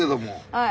はい。